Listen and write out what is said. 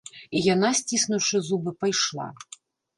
І яна, сціснуўшы зубы, пайшла.